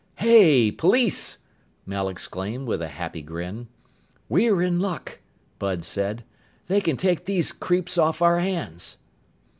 "Hey! Police!" Mel exclaimed with a happy grin. "We're in luck," Bud said. "They can take these creeps off our hands."